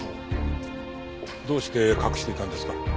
どうして隠していたんですか？